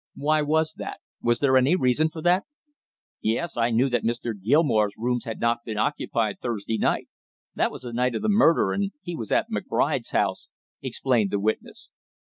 "Why was that, was there any reason for it?" "Yes, I knew that Mr. Gilmore's rooms had not been occupied Thursday night; that was the night of the murder, and he was at McBride's house," explained the witness.